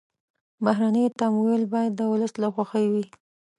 بهرني تمویل باید د ولس له خوښې وي.